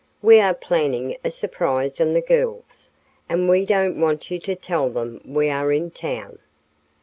We are planning a surprise on the girls, and we don't want you to tell them we are in town."